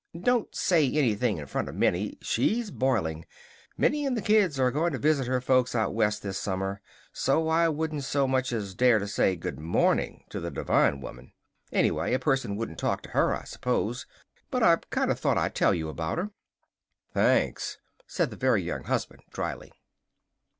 "Don't say anything in front of Minnie! She's boiling! Minnie and the kids are going to visit her folks out West this summer; so I wouldn't so much as dare to say 'Good morning!' to the Devine woman. Anyway, a person wouldn't talk to her, I suppose. But I kind of thought I'd tell you about her. "Thanks!" said the Very Young Husband dryly.